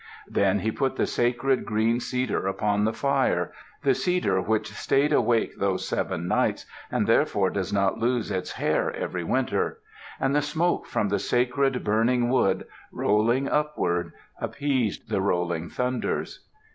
Then he put the sacred green cedar upon the fire the cedar which stayed awake those seven nights and therefore does not lose its hair every winter and the smoke from the sacred, burning wood, rolling upward, appeased the rolling Thunders.